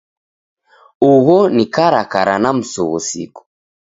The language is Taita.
Ugho ni karakara na msughusiko.